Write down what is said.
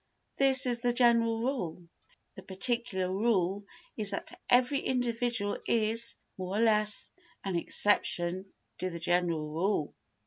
This is the general rule. The particular rule is that every individual is, more or less, an exception to the general rule.